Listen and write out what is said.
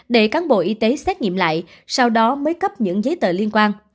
để cán bộ y tế xét nghiệm lại sau đó mới cấp những giấy tờ liên quan